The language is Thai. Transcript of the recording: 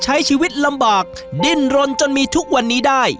ใช้ชีวิตลำบากดิ้นรนจนมีทุกวันนี้ได้